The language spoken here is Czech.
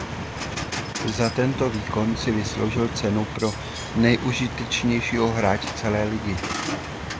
Za tento výkon si vysloužil cenu pro nejužitečnějšího hráče celé ligy.